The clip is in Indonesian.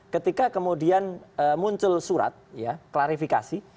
ketika kemudian muncul surat ya klarifikasi